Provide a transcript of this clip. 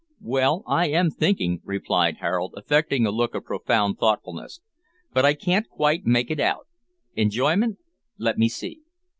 "Well, I am thinking," replied Harold, affecting a look of profound thoughtfulness, "but I can't quite make it out enjoyment? let me see.